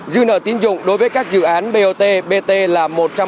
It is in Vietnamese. dư nợ tín dụng đối với các dự án bot bt là một trăm một mươi bốn